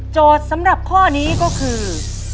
โจทย์สำหรับข้อนี้ก็คือ